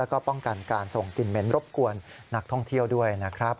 แล้วก็ป้องกันการส่งกลิ่นเหม็นรบกวนนักท่องเที่ยวด้วยนะครับ